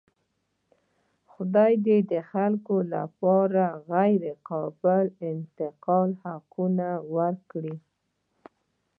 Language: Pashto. خدای د خلکو لپاره غیرقابل انتقال حقونه ورکړي.